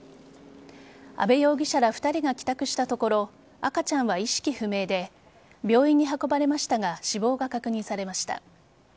阿部容疑者ら２人が帰宅したところ赤ちゃんは意識不明で病院に運ばれましたが死亡が確認されました。